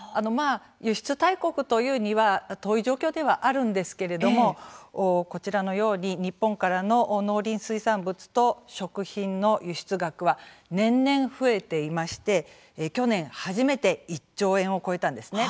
輸出大国と言うには遠い状況ではあるんですけれどもこちらのように日本からの農林水産物と食品の輸出額は年々増えていまして去年初めて１兆円を超えたんですね。